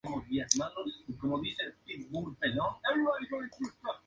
Está organizado por el periódico bielorruso, Прессбол.